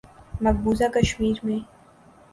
مقبوضہ کشمیر میں